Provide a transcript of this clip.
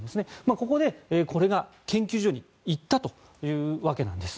ここでこれが研究所に行ったというわけなんです。